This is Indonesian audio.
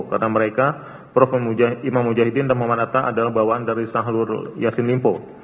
karena mereka prof imam mujahidin dan muhammad harta adalah bawaan dari saharul yasin limpo